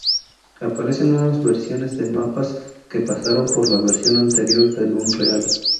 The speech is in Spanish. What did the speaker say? Aparecen nuevas versiones de mapas que pasaron por la versión anterior del Unreal.